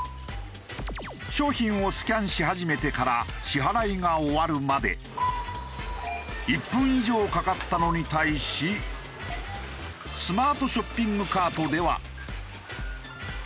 商品をスキャンし始めてから支払いが終わるまで１分以上かかったのに対しスマートショッピングカートでは。